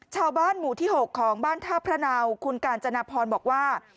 ชาวบ้านหมู่ที่๖ของบ้านท่าพระเนาคุณกาญจนพรบอกว่า